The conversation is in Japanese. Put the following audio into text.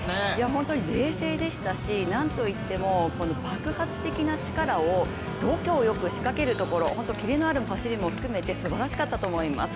本当に冷静でしたしなんといってもこの爆発的な力を度胸よく仕掛けるところ本当にキレのある走りも含めて頼もしかったと思います。